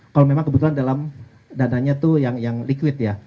kalau memang kebetulan dalam dananya itu yang liquid ya